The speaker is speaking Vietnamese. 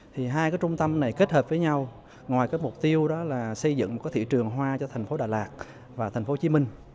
thì hai cái trung tâm này kết hợp với nhau ngoài cái mục tiêu đó là xây dựng một cái thị trường hoa cho tp hcm